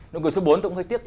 nụ cười số bốn tôi cũng hơi tiếc